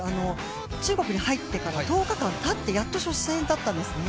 中国に入ってから１０日間たってやっと初戦だったんですね。